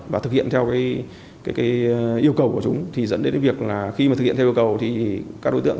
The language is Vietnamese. và thực hiện theo yêu cầu của chúng thì dẫn đến cái việc là khi mà thực hiện theo yêu cầu thì các đối tượng